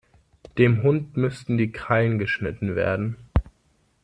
Dem Hund müssten die Krallen geschnitten werden.